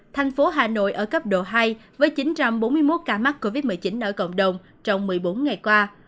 thành phố hà nội ở cấp độ hai với chín trăm bốn mươi một ca mắc covid một mươi chín ở cộng đồng trong một mươi bốn ngày qua